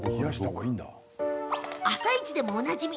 「あさイチ」でもおなじみ